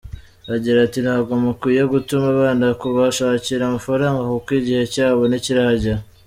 Agira ati “Ntabwo mukwiye gutuma abana kubashakira amafaranga kuko igihe cyabo ntikiragera.